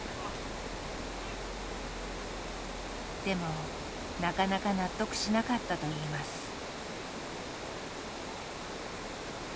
でもなかなか納得しなかったといいます。